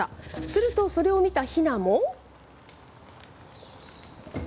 すると、それを見たひなも。